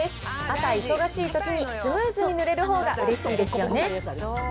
朝、忙しいときにスムーズに塗れるほうがうれしいですよね。